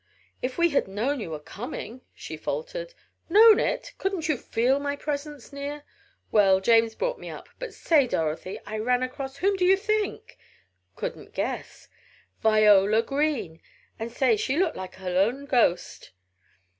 "If we had known you were coming," she faltered. "Known it! Couldn't you feel my presence near! Well, James brought me up. But say, Dorothy! I ran across whom do you think?" "Couldn't guess!" "Viola Green! And say, she looked like her own ghost.